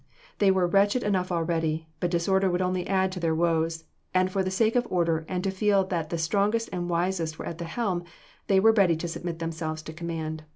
They were wretched enough already, but disorder would only add to their woes, and for the sake of order, and to feel that the strongest and wisest were at the helm, they were ready to submit themselves to command.